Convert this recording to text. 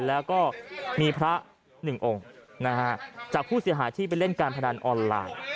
แล้วก็มีพระหนึ่งองค์นะฮะจากผู้เสียหายที่ไปเล่นการพนันออนไลน์